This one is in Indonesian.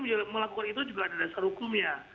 dan kami melakukan itu juga ada dasar hukumnya